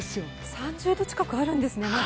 ３０度近くあるんですね。